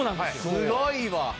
すごいわ。